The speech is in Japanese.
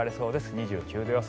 ２９度予想。